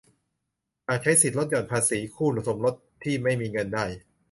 หากใช้สิทธิ์ลดหย่อนภาษีคู่สมรสที่ไม่มีเงินได้